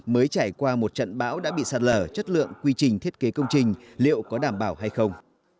mới trải qua một trận bão đã bị sạt lở chất lượng quy trình thiết kế công trình liệu có đảm bảo hay không